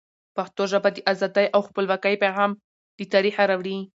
پښتو ژبه د ازادۍ او خپلواکۍ پیغام له تاریخه را وړي.